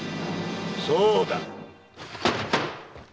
・そうだ！